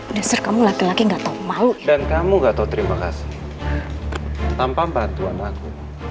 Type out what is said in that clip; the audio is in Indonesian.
udah kamu laki laki enggak tahu mau dan kamu enggak tahu terima kasih tanpa bantuan aku